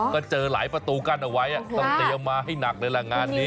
ก็เจอหลายประตูกั้นเอาไว้ต้องเตรียมมาให้หนักเลยล่ะงานนี้